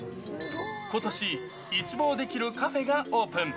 ことし、一望できるカフェがオープン。